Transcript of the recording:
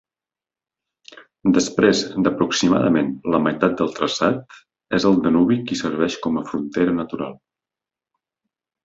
Després d'aproximadament la meitat del traçat, és el Danubi qui serveix com a frontera natural.